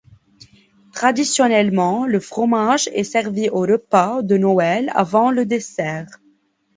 Traditionnellement, le fromage est servi au repas de Noël, avant le dessert.